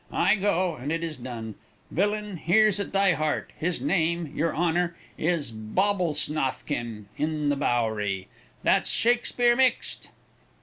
I go and it is done. Villain, here's at thy heart! His name, your Honor, is Bobblesnoffkin in the Bowery. That's Shakspeare mixed."